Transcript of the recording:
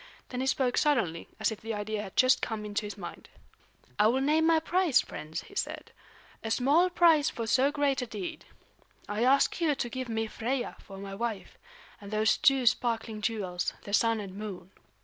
Then he spoke suddenly, as if the idea had just come into his mind. "I will name my price, friends," he said; "a small price for so great a deed. I ask you to give me Freia for my wife, and those two sparkling jewels, the Sun and Moon."